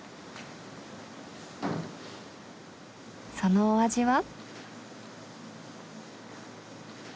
そのお味は？